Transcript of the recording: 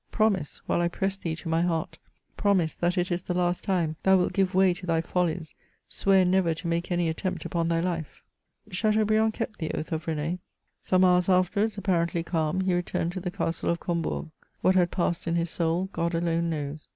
Promise, while 1 ^ press thee to my heart, promise that it is the last time thou wilt give way to thy follies, swear never to make any attempt upon thy life !" Chateaubriand kept the oath of Rdn^. Some hours after MEMOIRS OF wards, apparently calm, he returned to the Castle of Com* bourg. What had passed in his soul Grod alone knows.